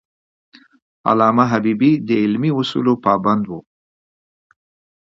علامه حبیبي د علمي اصولو پابند و.